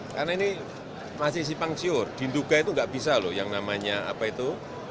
karena ini masih si pangciur di duga itu enggak bisa loh yang namanya apa itu